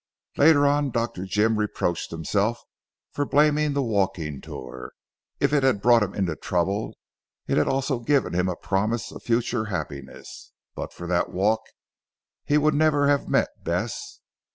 Later on Dr. Jim reproached himself for blaming the walking tour. If it had brought him into trouble it had also given him a promise of future happiness. But for that walk he would never have met Bess.